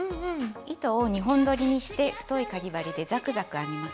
糸を２本どりにして太いかぎ針でザクザク編みます。